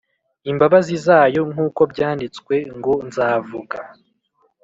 imbabazi zayo nk uko byanditswe ngo Nzavuga